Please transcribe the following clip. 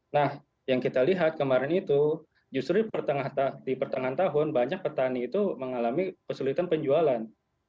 nah yang kita lihat kemarin itu justru di pertengahan tahun banyak petani itu mengalami kesulitan penjualan